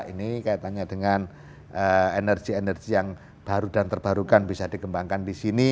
ini kaitannya dengan energi energi yang baru dan terbarukan bisa dikembangkan di sini